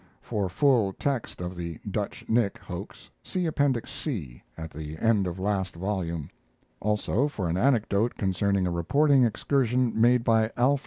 [For full text of the "Dutch Nick" hoax see Appendix C, at the end of last volume: also, for an anecdote concerning a reporting excursion made by Alf.